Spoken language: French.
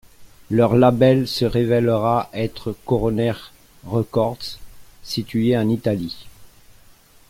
Leur label se révélera être Coroner Records, situé en Italie.